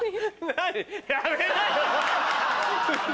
何やめなよ！